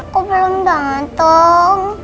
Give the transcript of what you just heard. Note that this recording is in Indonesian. kok belum dateng